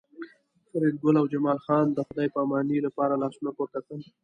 فریدګل او جمال خان د خدای پامانۍ لپاره لاسونه پورته کړل